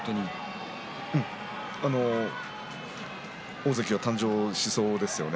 大関が誕生しそうですね。